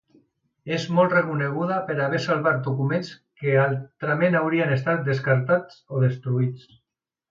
És molt reconeguda per haver salvat documents que altrament haurien estat descartats o destruïts.